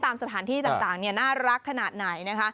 ตามสถานที่ต่างน่ารักขนาดไหนนะคะ